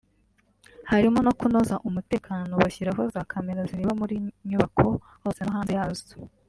harimo no kunoza umutekano bashyiraho za Cameras zireba muri nyubako hose na hanze yazo